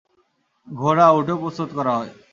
ঘোড়া, উটও প্রস্তুত করা হয়।